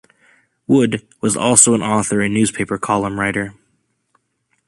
Wood was also an author and newspaper column writer.